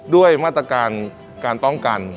ด้วยมาตรการการป้องกัน